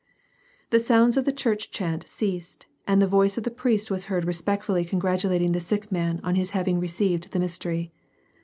The sounds of the church chant ceased, and the voice of the priest was heard respectfully congratulating the sick man on his having received the mystery.